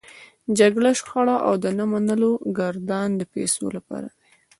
جګړه، شخړه او د نه منلو ګردان د پيسو لپاره دی.